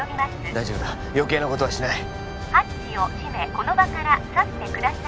大丈夫だ余計なことはしないハッチを閉めこの場から去ってください